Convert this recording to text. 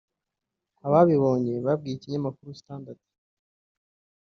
Ababibonye babwiye ikinyamakuru Standard